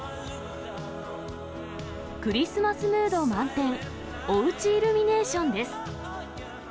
クリスマスムード満点、おうちイルミネーションです。